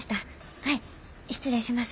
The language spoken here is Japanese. はい失礼します。